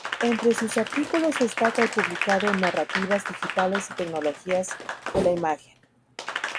Entre sus artículos destaca el publicado en ""Narrativas digitales y tecnologías de la imagen"".